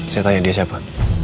saya tanya dia siapa